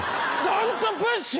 ドントプッシュ！